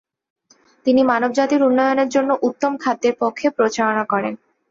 তিনি মানবজাতির উন্নয়নের জন্য উত্তম খাদ্যের পক্ষে প্রচারণা করেন।